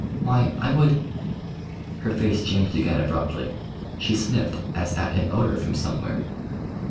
Why, I would—" Her face changed again abruptly. She sniffed as at an odor from somewhere.